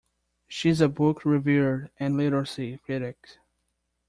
She is a book reviewer and literary critic.